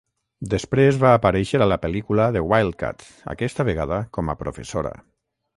Després va aparèixer a la pel·lícula "The Wildcats", aquesta vegada com a professora.